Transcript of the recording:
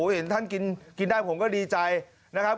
เห็นท่านกินได้ผมก็ดีใจนะครับ